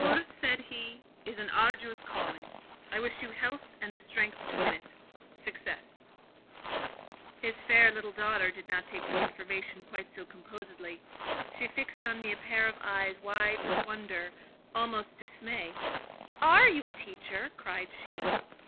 "Yours," said he, "is an arduous calling. I wish you health and strength to win in it—success." His fair little daughter did not take the information quite so composedly: she fixed on me a pair of eyes wide with wonder—almost with dismay. "Are you a teacher?" cried she.